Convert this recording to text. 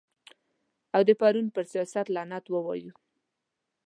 او د پرون پر سیاست لعنت ووایو.